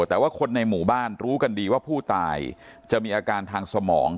แต่ว่าคนในหมู่บ้านรู้กันดีว่าผู้ตายจะมีอาการทางสมอง